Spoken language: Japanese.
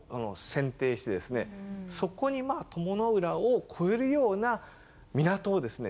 そこに鞆の浦を超えるような港をですね